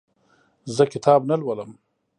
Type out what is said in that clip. زه کتاب نه لولم.